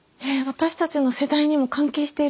私たちの世代にも関係しているんですか？